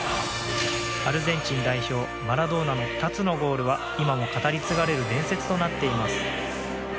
アルゼンチン代表マラドーナの２つのゴールは今も語り継がれる伝説となっています。